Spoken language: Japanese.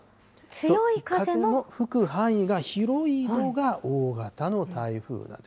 強い風の吹く範囲が広いのが大型の台風だと。